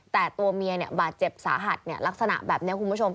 แต่ตัวเมียบาดเจ็บสาหัสลักษณะแบบนี้คุณผู้ชม